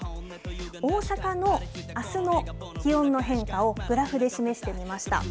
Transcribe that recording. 大阪のあすの気温の変化をグラフで示してみました。